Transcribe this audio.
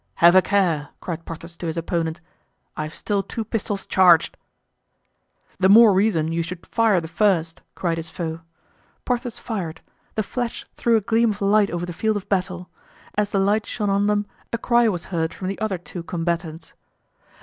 "Have a care," cried Porthos to his opponent; "I've still two pistols charged." "The more reason you should fire the first!" cried his foe. Porthos fired; the flash threw a gleam of light over the field of battle. As the light shone on them a cry was heard from the other two combatants.